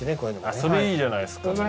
それいいじゃないですか。